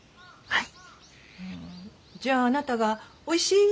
はい。